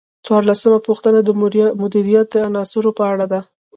څوارلسمه پوښتنه د مدیریت د عناصرو په اړه ده.